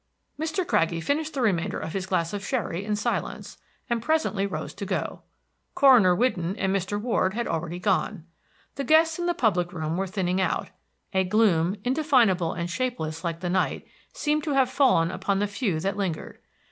Mr. Craggie finished the remainder of his glass of sherry in silence, and presently rose to go. Coroner Whidden and Mr. Ward had already gone. The guests in the public room were thinning out; a gloom, indefinable and shapeless like the night, seemed to have fallen upon the few that lingered.